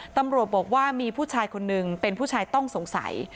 ตำรวจบอกว่ามีผู้ชายคนนึงเป็นผู้ชายต้องสงสัย